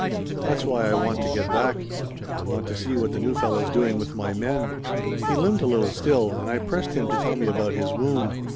That's why I want to get back. I want to see what the new fellow's doing with my men." He limped a little still, and I pressed him to tell me about his wound.